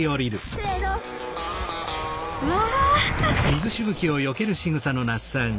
うわ！